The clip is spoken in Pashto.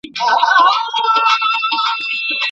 هغه څوک چي ليکل کوي پوهه زياتوي.